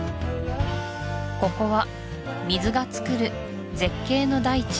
ここは水がつくる絶景の大地